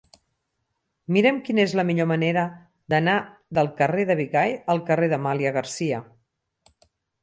Mira'm quina és la millor manera d'anar del carrer de Bigai al carrer d'Amàlia Garcia.